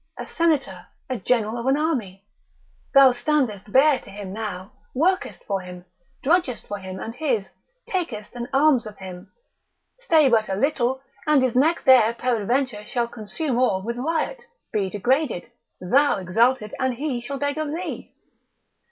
a senator, a general of an army; thou standest bare to him now, workest for him, drudgest for him and his, takest an alms of him: stay but a little, and his next heir peradventure shall consume all with riot, be degraded, thou exalted, and he shall beg of thee.